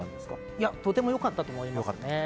とてもよかったと思いますね。